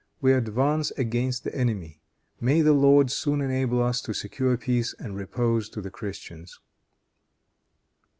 We advance against the enemy. May the Lord soon enable us to secure peace and repose to the Christians."